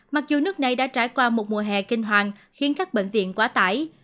mặc dù nước này đã trải qua một mùa hè kinh hoàng khiến các bệnh viện quá tải